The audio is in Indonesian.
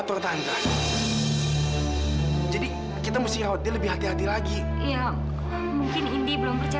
pertamanya kalau kita semakin cinta